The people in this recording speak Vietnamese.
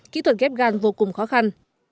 kỹ thuật ghép gan vô cùng khó khăn